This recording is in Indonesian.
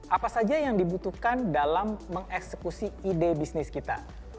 apa saja yang dibutuhkan dalam mengeksekusi ide bisnis kita